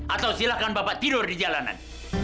atau silahkan bapak tidur di jalanan